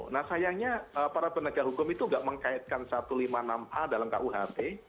nah sayangnya para penegak hukum itu tidak mengkaitkan satu ratus lima puluh enam a dalam kuhp